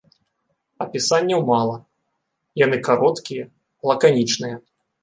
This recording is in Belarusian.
Апісанняў мала, яны кароткія, лаканічныя.